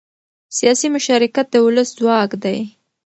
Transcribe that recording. سیاسي مشارکت د ولس ځواک دی